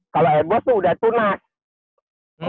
kalau eboz tuh udah tunas